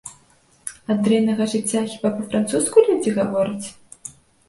Ад дрэннага жыцця хіба па-французску людзі гавораць?